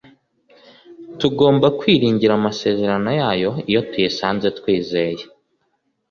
Tugomba kwiringira amasezerano yayo. Iyo tuyisanze twizeye,